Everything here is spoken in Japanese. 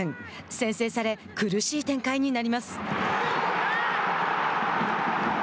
先制され苦しい展開になります。